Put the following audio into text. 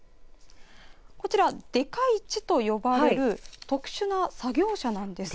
こちら、デカ１と呼ばれる特殊な作業車なんです。